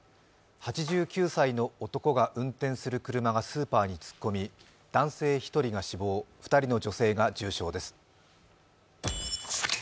８９歳の男が運転する車がスーパーに突っ込み、男性１が死亡、２人の女性が重傷です。